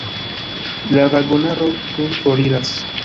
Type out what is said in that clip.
La vagonaro tuj foriras.